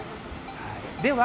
では